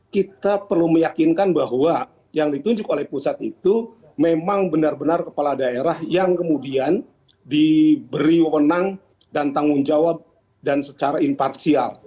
kita perlu meyakinkan bahwa yang ditunjuk oleh pusat itu memang benar benar kepala daerah yang kemudian diberi wanang dan tanggung jawab dan secara imparsial